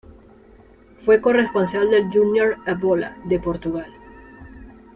Fue corresponsal del "Journal A bola" de Portugal.